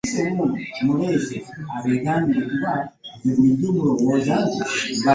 abaana abamu tebamanyi nnimi zaabwe nnansi.